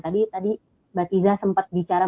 tadi mbak tiza sempat bicara